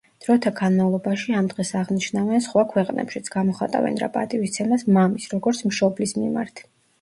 დროთა განმავლობაში ამ დღეს აღნიშნავენ სხვა ქვეყნებშიც, გამოხატავენ რა პატივისცემას მამის, როგორც მშობლის მიმართ.